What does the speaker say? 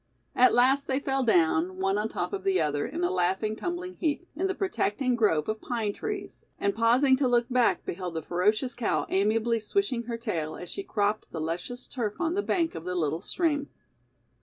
At last they fell down, one on top of the other, in a laughing, tumbling heap, in the protecting grove of pine trees, and pausing to look back beheld the ferocious cow amiably swishing her tail as she cropped the luscious turf on the bank of the little stream.